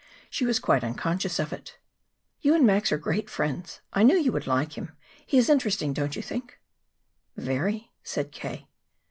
She was quite unconscious of it. "You and Max are great friends. I knew you would like him. He is interesting, don't you think?" "Very," said K.